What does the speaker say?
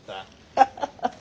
ハハハハ。